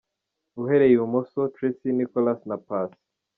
Uhereye i bumoso:Tracy, Nicholas na Passy .